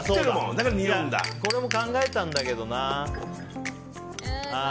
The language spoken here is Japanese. これも考えたんだけどな。